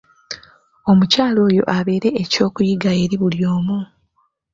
Omukyala oyo abeere eky'okuyiga eri buli omu.